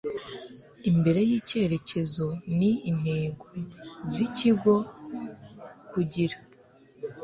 imbere icyerekezo n intego z ikigo kugira